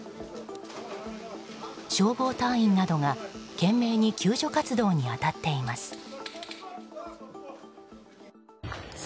消防隊員などが懸命に救助活動に当たっています。